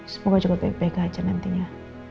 semoga juga bebek aja nantinya